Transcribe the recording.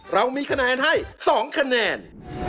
เรามีคะแนนให้๒คะแนน